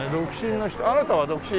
あなたは独身？